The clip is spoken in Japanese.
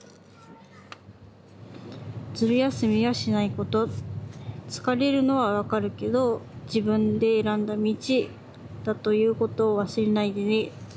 「ずる休みはしない事つかれるのはわかるけど“自分で選んだ道”だという事を忘れないでね。